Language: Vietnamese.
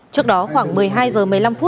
trước đó khoảng một mươi hai h một mươi năm phút